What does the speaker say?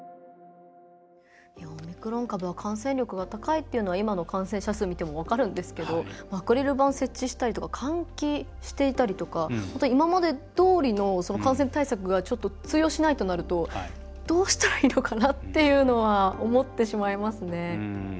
オミクロン株は感染力が高いというのは今の感染者数見ても分かるんですけどアクリル板設置したりとか換気していたりとか今までどおりの感染対策がちょっと通用しないとなるとどうしたらいいのかなっていうのは思ってしまいますね。